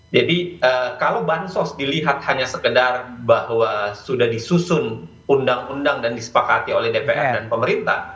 jadi kalau bansos dilihat hanya sekedar bahwa sudah disusun undang undang dan disepakati oleh dpr dan pemerintah